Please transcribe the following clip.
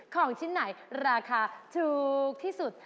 ของชิ้นไหนราคาถูกที่สุด